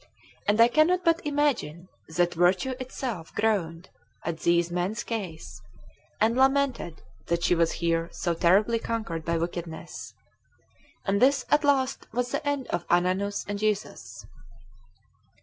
And I cannot but imagine that virtue itself groaned at these men's case, and lamented that she was here so terribly conquered by wickedness. And this at last was the end of Ananus and Jesus.